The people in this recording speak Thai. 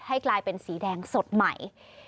ให้กลายเป็นสีแดงสดใหม่